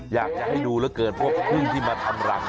อยากจะให้ดูเหลือเกินพวกพึ่งที่มาทำรัง